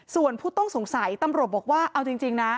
ส่วนผู้ต้องสงสัยตำรวจบอกว่าเอาจริงนะ